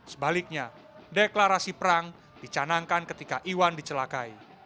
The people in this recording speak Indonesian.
sebaliknya deklarasi perang dicanangkan ketika iwan dicelakai